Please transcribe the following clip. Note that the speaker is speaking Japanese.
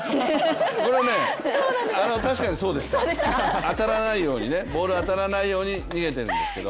これ確かにそうでした、ボールが当たらないように逃げてるんですけど。